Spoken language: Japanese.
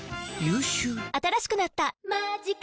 新しくなった「マジカ」